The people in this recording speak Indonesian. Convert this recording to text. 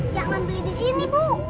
jangan beli di sini bu